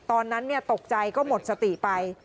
ตอนนั้นตกใจก็หมดสติไป